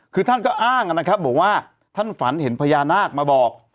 คือท่านก็อ้างนะครับบอกว่าท่านฝันเห็นพญานาคมาบอก